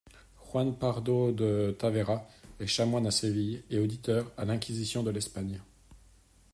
Juan Pardo de Tavera est chanoine à Séville et auditeur à l'inquisition de l'Espagne.